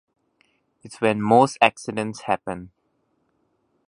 It's when most accidents happen.